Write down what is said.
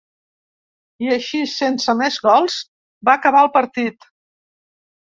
I així, sense més gols, va acabar el partit.